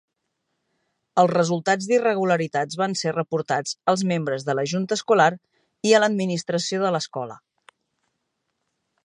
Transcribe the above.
Els resultats d'irregularitats van ser reportats als membres de la junta escolar i a l'administració de l'escola.